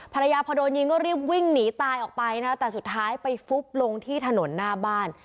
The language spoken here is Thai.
ภรรยาพอโดนยิงก็รีบวิ่งหนีตายออกไปนะแต่สุดท้ายไปฟุบลงที่ถนนหน้าบ้าน